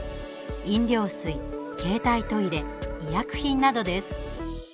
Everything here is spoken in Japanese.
飲料水、携帯トイレ医薬品などです。